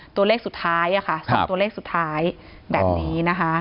ตัวเลขสุดท้ายค่ะ๒ตัวเลขสุดท้ายแบบนี้นะคะ